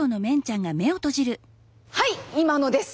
はい今のです！